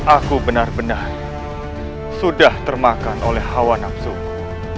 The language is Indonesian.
aku benar benar sudah termakan oleh hawa nafsuku